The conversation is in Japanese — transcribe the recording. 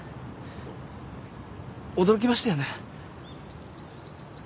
驚きましたよね。